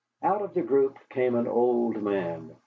Out of the group came an old man.